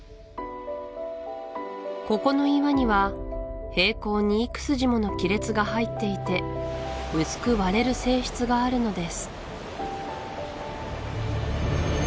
ここの岩には平行に幾筋もの亀裂が入っていて薄く割れる性質があるのです